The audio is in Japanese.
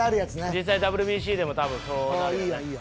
実際ＷＢＣでも多分そうなるよね。